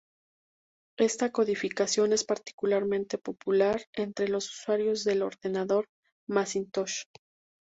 Esta codificación es particularmente popular entre los usuarios del ordenador Macintosh.